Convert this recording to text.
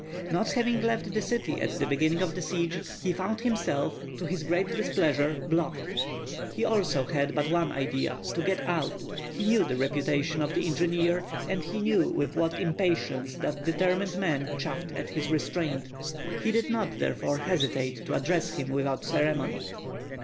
Not having left the city at the beginning of the siege, he found himself, to his great displeasure, blocked. He also had but one idea: to get out. He knew the reputation of the engineer, and he knew with what impatience that determined man chaffed at his restraint. He did not therefore hesitate to address him without ceremony.